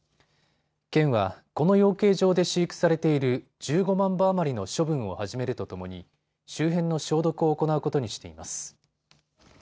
県はこの養鶏場で飼育されている１５万羽余りの処分を始めるとともに周辺の消毒を行うことにしています。